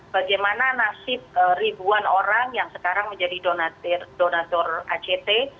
bagaimana nasib ribuan orang yang sekarang menjadi donator act